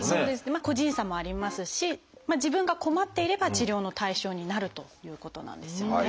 個人差もありますし自分が困っていれば治療の対象になるということなんですよね。